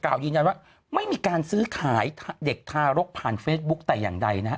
ยืนยันว่าไม่มีการซื้อขายเด็กทารกผ่านเฟซบุ๊คแต่อย่างใดนะฮะ